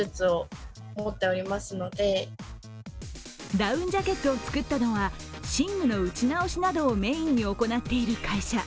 ダウンジャケットを作ったのは、寝具の打ち直しなどをメーンに行っている会社。